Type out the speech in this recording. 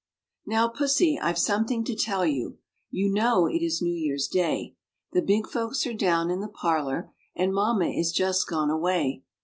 Now, Pussy, I've something to tell you: You know it is New Year's Day; The big folks are down in the parlor, And mamma is just gone away.